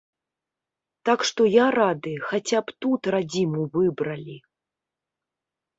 Так што я рады, хаця б тут радзіму выбралі.